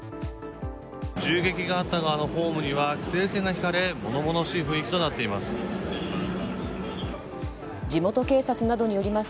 銃撃があったホームには規制線が敷かれ物々しい雰囲気となっています。